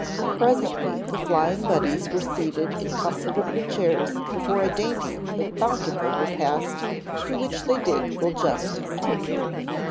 Presently the Flying Buddies were seated in comfortable chairs before a dainty, but bountiful repast to which they did full justice.